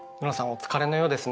お疲れのようですね。